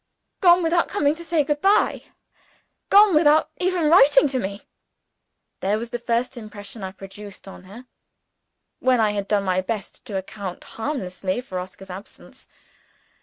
"Gone, without coming to say good bye! Gone, without even writing to me!" There was the first impression I produced on her, when I had done my best to account harmlessly for Oscar's absence.